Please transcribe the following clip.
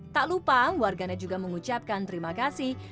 tak lupa warganet juga mengucapkan terima kasih